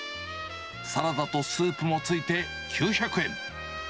サラダとスープも付いて９００円。